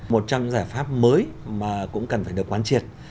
một trong những giải pháp mới mà cũng cần phải được quán triệt